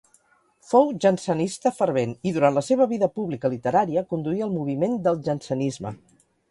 Fou jansenista fervent, i durant la seva vida pública literària conduí el moviment del jansenisme.